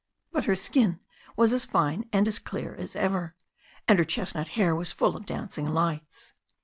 But her skin was as fine and as clear as ever, and her chestnut hair was full of dancing lights.